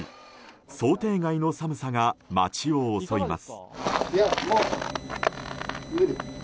想定外の寒さが町を襲います。